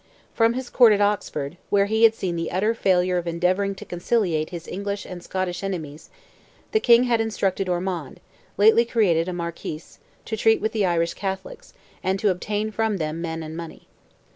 From his court at Oxford, where he had seen the utter failure of endeavouring to conciliate his English and Scottish enemies, the King had instructed Ormond—lately created a Marquis—to treat with the Irish Catholics, and to obtain from them men and money.